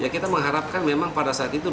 kita mengharapkan memang pada saat itu